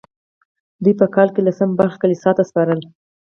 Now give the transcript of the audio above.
دوی په کال کې لسمه برخه کلیسا ته سپارله.